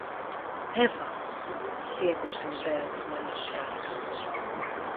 Εύα, διέκοψε η μητέρα της, μαλωσιάρικα.